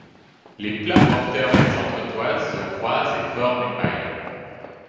Les plats porteurs et les entretoises se croisent et forment une maille.